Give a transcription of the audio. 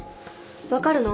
分かるの？